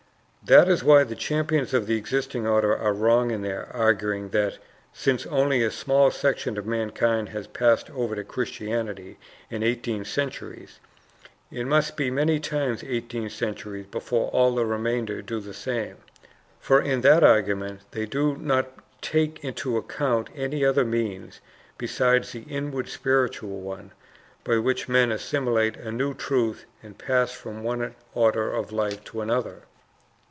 That is why the champions of the existing order are wrong in arguing that, since only a small section of mankind has passed over to Christianity in eighteen centuries, it must be many times eighteen centuries before all the remainder do the same. For in that argument they do not take into account any other means, besides the inward spiritual one, by which men assimilate a new truth and pass from one order of life to another.